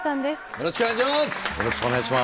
よろしくお願いします。